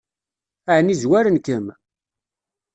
Ɛni zwaren-kem?